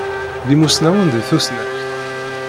D imussnawen deg tussnakt.